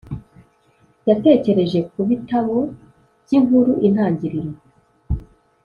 yatekereje kubitabo byinkuru intangiriro